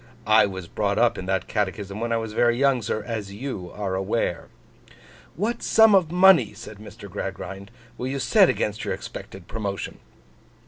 I was brought up in that catechism when I was very young, sir, as you are aware.' 'What sum of money,' said Mr. Gradgrind, 'will you set against your expected promotion?